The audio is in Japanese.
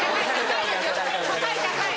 高い高い。